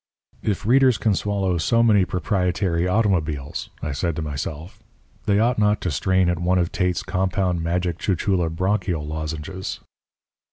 "If readers can swallow so many proprietary automobiles," I said to myself, "they ought not to strain at one of Tate's Compound Magic Chuchula Bronchial Lozenges."